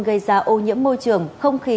gây ra ô nhiễm môi trường không khí